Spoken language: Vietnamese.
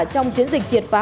trong chiến dịch triệt phá